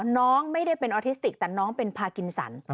น้องไม่ได้เป็นออทิสติกแต่น้องเป็นพากินสัน